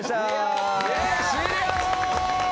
終了！